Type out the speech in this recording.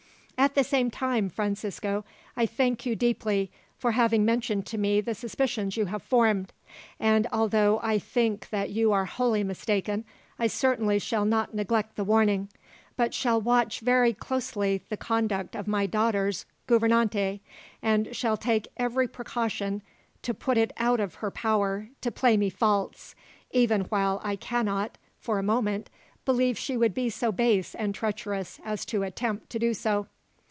"At the same time, Francisco, I thank you deeply for having mentioned to me the suspicions you have formed, and although I think that you are wholly mistaken, I certainly shall not neglect the warning, but shall watch very closely the conduct of my daughters' gouvernante, and shall take every precaution to put it out of her power to play me false, even while I cannot, for a moment, believe she would be so base and treacherous as to attempt to do so."